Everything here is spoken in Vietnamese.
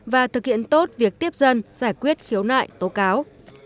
và thực hiện tốt việc tiếp dân giải quyết khiếu nại tố cáo